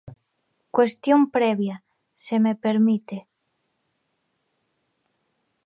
Cuestión previa, se me permite.